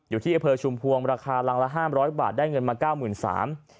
อยู่ที่อำเภอชุมพวงราคารังละ๕๐๐บาทได้เงินมาเก้าหมื่นสาม